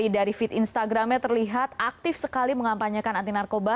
dari feed instagramnya terlihat aktif sekali mengampanyakan anti narkoba